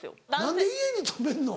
何で家に泊めんの？